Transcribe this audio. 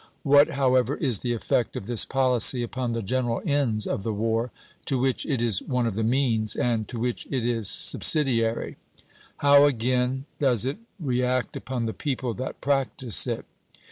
What, however, is the effect of this policy upon the general ends of the war, to which it is one of the means, and to which it is subsidiary? How, again, does it react upon the people that practise it?